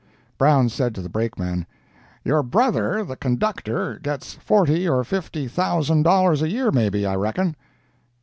Brown said to the brakeman, "Your brother, the conductor, gets forty or fifty thousand dollars a year, maybe, I reckon?"